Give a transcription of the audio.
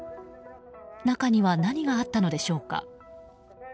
中には何があったのでしょうか。